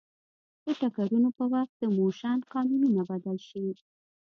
د ټکرونو په وخت د موشن قانونونه بدل شي.